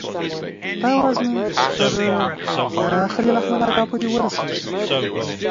After this period Glover was employed to repel incursions of the Ashantis.